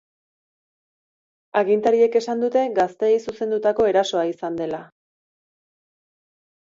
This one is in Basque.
Agintariek esan dute gazteei zuzendutako erasoa izan dela.